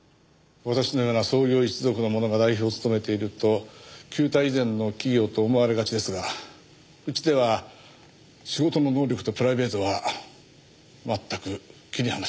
私のような創業一族の者が代表を務めていると旧態依然の企業と思われがちですがうちでは仕事の能力とプライベートは全く切り離しています。